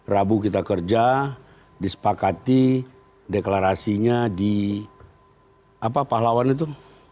rabu kita kerja disepakati deklarasinya di pahlawan itu